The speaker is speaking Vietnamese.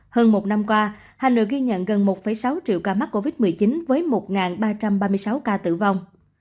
hơn một năm qua hà nội ghi nhận gần một sáu triệu ca mắc covid một mươi chín với một ba trăm ba mươi sáu ca tử vong